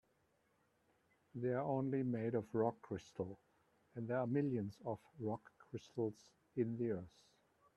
They're only made of rock crystal, and there are millions of rock crystals in the earth.